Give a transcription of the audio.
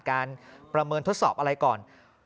การประเมินทดสอบอะไรก่อน